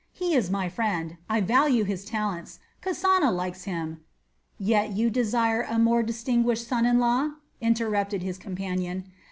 He is my friend, I value his talents; Kasana likes him...." "Yet you desire a more distinguished son in law?" interrupted his companion.